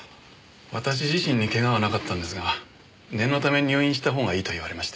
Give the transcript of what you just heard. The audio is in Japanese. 私自身にけがはなかったんですが念のため入院した方がいいと言われまして。